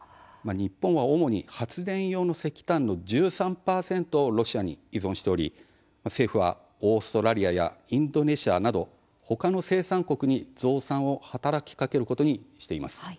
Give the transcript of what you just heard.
日本は主に発電用の石炭の１３％をロシアに依存しており政府はオーストラリアやインドネシアなどほかの生産国に増産を働きかけることにしています。